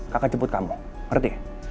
kakak jemput kamu ngerti